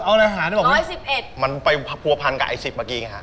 เออเอาเลยหารมันไปผัวพันกับไอ้๑๐เมื่อกี้ไงฮะ